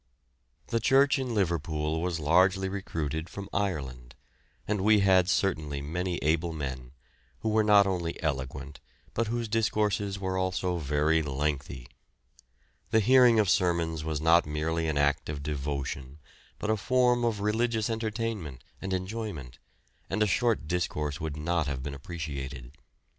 The church in Liverpool was largely recruited from Ireland, and we had certainly many able men, who were not only eloquent but whose discourses were also very lengthy. The hearing of sermons was not merely an act of devotion but a form of religious entertainment and enjoyment, and a short discourse would not have been appreciated.